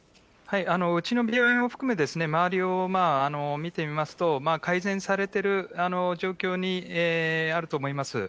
うちの病院を含め、周りを見てみますと、改善されている状況にあると思います。